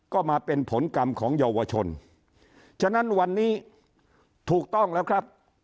ก็มาเป็นผลกรรมของเยาวชนฉะนั้นวันนี้ถูกต้องแล้วครับ